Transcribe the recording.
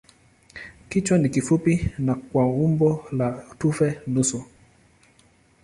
Kichwa ni kifupi na kwa umbo la tufe nusu.